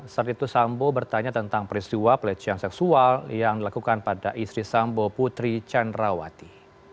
saat itu sambo bertanya tentang peristiwa pelecehan seksual yang dilakukan pada istri sambo putri candrawati